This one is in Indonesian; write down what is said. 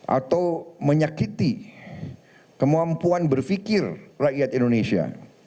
atau menyakiti kemampuan berpikir rakyat indonesia